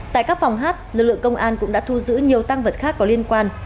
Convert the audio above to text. tại các phòng hát lực lượng công an cũng đã thu giữ nhiều tăng vật khác có liên quan